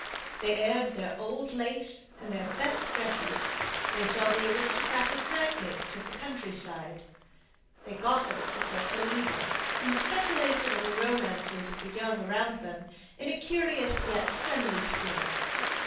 They aired their old lace and their best dresses; they saw the aristocratic magnates of the country side; they gossipped with their coevals, and speculated on the romances of the young around them in a curious yet friendly spirit.